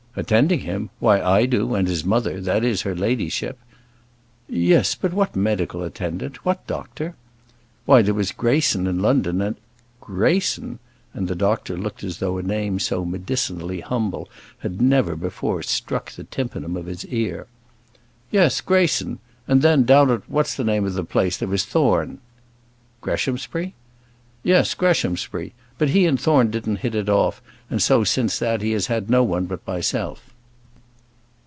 "Attending him? why, I do, and his mother, that is, her ladyship." "Yes; but what medical attendant: what doctor?" "Why, there was Greyson, in London, and " "Greyson!" and the doctor looked as though a name so medicinally humble had never before struck the tympanum of his ear. "Yes; Greyson. And then, down at what's the name of the place, there was Thorne." "Greshamsbury?" "Yes; Greshamsbury. But he and Thorne didn't hit it off; and so since that he has had no one but myself."